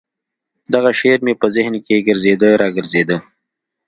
دغه شعر مې په ذهن کښې ګرځېده راګرځېده.